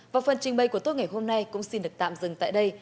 và phần trình bày của tốt ngày hôm nay cũng xin được tạm dừng tại đây